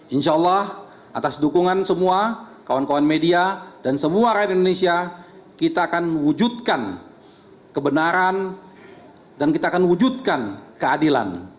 insya allah atas dukungan semua kawan kawan media dan semua rakyat indonesia kita akan mewujudkan kebenaran dan kita akan wujudkan keadilan